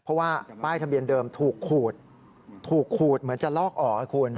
เพราะว่าป้ายทะเบียนเดิมถูกขูดถูกขูดเหมือนจะลอกออกให้คุณ